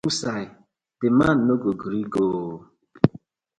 Wosai di man no go gree go ooo.